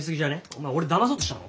お前俺だまそうとしたの？